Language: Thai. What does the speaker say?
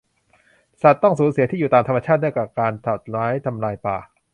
สัตว์ต้องสูญเสียที่อยู่ตามธรรมชาติ เนื่องจากการตัดไม้ทำลายป่า